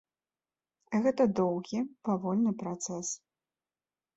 Гэта доўгі, павольны працэс.